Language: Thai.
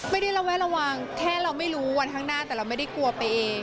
ระแวะระวังแค่เราไม่รู้วันข้างหน้าแต่เราไม่ได้กลัวไปเอง